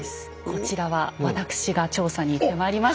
こちらはわたくしが調査に行ってまいりました！